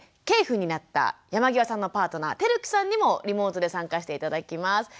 継父になった山際さんのパートナー輝樹さんにもリモートで参加して頂きます。